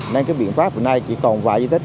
nên cái biện pháp hiện nay chỉ còn vài di tích